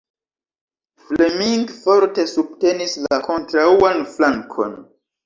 Fleming forte subtenis la kontraŭan flankon.